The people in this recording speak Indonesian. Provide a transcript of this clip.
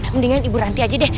mendingan ibu ranti aja deh